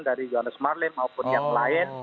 dari johannes marlim maupun yang lain